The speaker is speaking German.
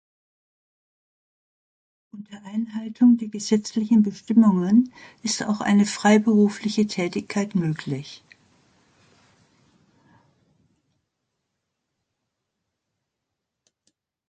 Unter Einhaltung der gesetzlichen Bestimmungen ist auch eine freiberufliche Tätigkeit möglich.